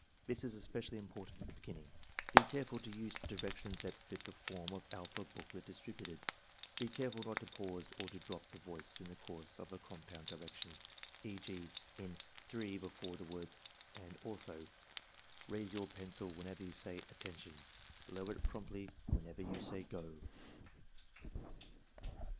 This is especially important in the beginning. Be careful to use the directions that fit the form of alpha booklet distributed. Be careful not to pause or to drop the voice in the course of a compound direction, e. g., in 3, before the words "and also." Raise your pencil whenever you say "Attention." Lower it promptly whenever you say "Go."